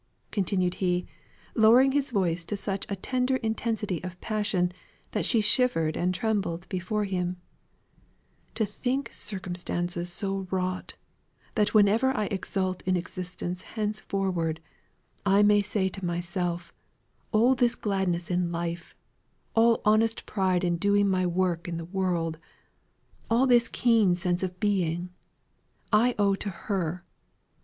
continued he, lowering his voice to such a tender intensity of passion that she shivered and trembled before him, "to think circumstances so wrought, that whenever I exult in existence henceforward, I may say to myself, 'All this gladness in life, all honest pride in doing my work in the world, all this keen sense of being, I owe to her!